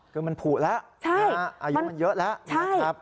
คือมันผูแล้วอายุมันเยอะแล้วนะครับ